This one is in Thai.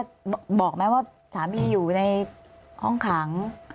แต่ทำไมว่าสามีอยู่ในห้องขัง